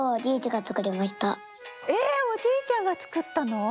えおじいちゃんがつくったの？